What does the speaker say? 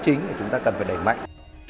chính chúng ta cần phải đẩy mạnh